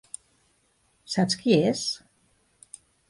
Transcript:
¿Saps qui és?